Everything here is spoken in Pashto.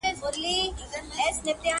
پاته په دې غرو کي د پېړیو حسابونه دي؛